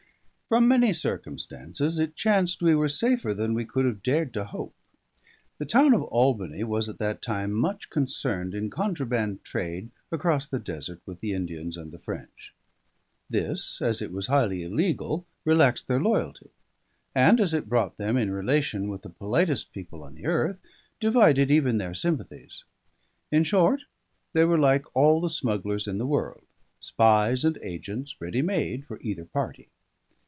From many circumstances, it chanced we were safer than we could have dared to hope. The town of Albany was at that time much concerned in contraband trade across the desert with the Indians and the French. This, as it was highly illegal, relaxed their loyalty, and as it brought them in relation with the politest people on the earth, divided even their sympathies. In short, they were like all the smugglers in the world, spies and agents ready made for either party.